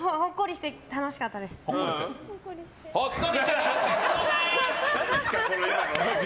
ほっこりして楽しかったそうでーす！